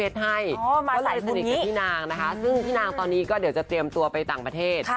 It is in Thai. ซึ่งพี่นางตอนนี้ก็เดี่ยวจะเตรียมตัวไปต่างประเทศ